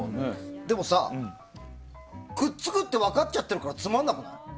でもさ、くっつくって分かっちゃってるからつまらなくない？